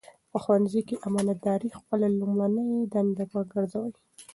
په ښوونځي کې امانتداري خپله لومړنۍ دنده وګرځوئ.